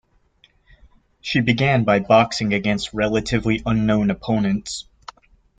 She began by boxing against relatively unknown opponents.